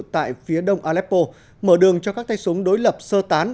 tại phía đông aleppo mở đường cho các tay súng đối lập sơ tán